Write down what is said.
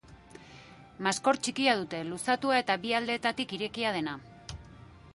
Maskor txikia dute, luzatua eta bi aldeetatik irekia dena.